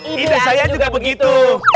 itu saya juga begitu